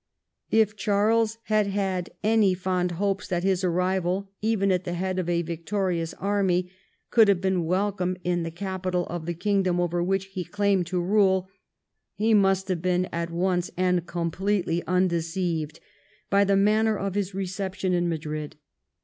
If Charles had had any fond hopes that his arrival, even at the head of a victorious army, could have been welcome in the capital of the kingdom over which he claimed to rule, he must have been at once and completely undeceived by the manner of his reception in Madrid.